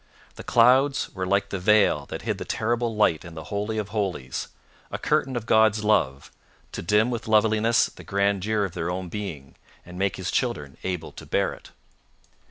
The clouds were like the veil that hid the terrible light in the Holy of Holies a curtain of God's love, to dim with loveliness the grandeur of their own being, and make his children able to bear it.